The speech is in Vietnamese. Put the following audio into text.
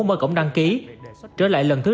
mở cổng đăng ký trở lại lần thứ